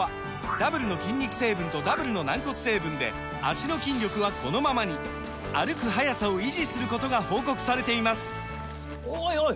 ダブルの筋肉成分とダブルの軟骨成分で脚の筋力はこのままに歩く速さを維持することが報告されていますおいおい！